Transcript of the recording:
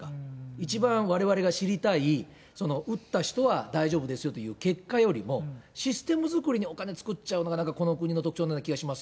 一番われわれが知りたい打った人は大丈夫ですよっていう結果よりも、システム作りにお金使っちゃうのがなんかこの国の特徴のような気え？